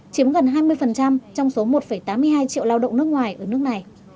chiếm gần hai mươi trong số một tám mươi hai triệu lao động nước ngoài ở nước này